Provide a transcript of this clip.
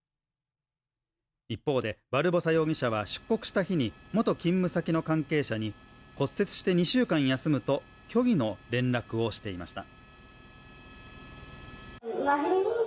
一方で、バルボサ容疑者は出国した日に元勤務先の関係者に、骨折して２週間休むと虚偽の連絡をしていました。